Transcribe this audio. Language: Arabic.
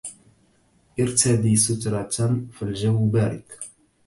ارتدِ سترة، فالجو بارد.